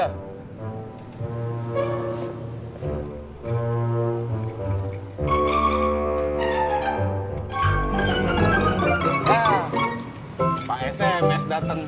eh pak sms dateng